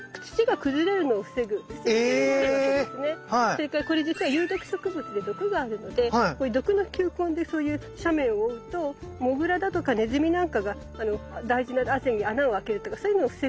それからこれ実は有毒植物で毒があるのでこういう毒の球根でそういう斜面を覆うとモグラだとかネズミなんかが大事なあぜに穴をあけるとかそういうのを防ぐような役目になる。